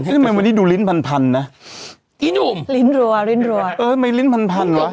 ทำไมวันนี้ดูลิ้นพันพันนะอีหนุ่มลิ้นรัวลิ้นรัวเออไม่ลิ้นพันพันเหรอ